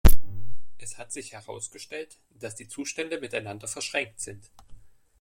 Es hat sich herausgestellt, dass die Zustände miteinander verschränkt sind.